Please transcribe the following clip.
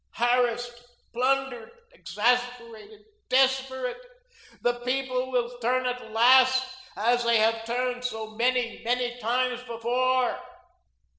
Harassed, plundered, exasperated, desperate, the people will turn at last as they have turned so many, many times before.